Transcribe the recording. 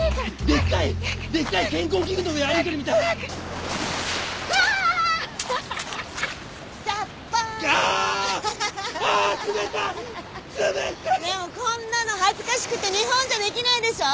でもこんなの恥ずかしくて日本じゃできないでしょ。